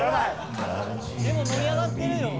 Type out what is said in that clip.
でも盛り上がってるよ。